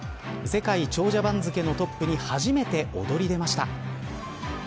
世界長者番付のトップに初めて躍り出ました。